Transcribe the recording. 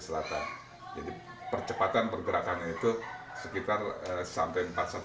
sekarang nanti pak supity mewinger ialah saturani vendor via kami